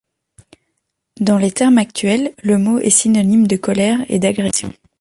Dans les termes actuels, le mot est synonyme de colère et d'agression.